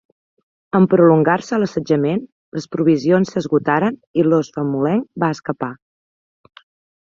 En prolongar-se l'assetjament, les provisions s'esgotaren i l'os famolenc va escapar.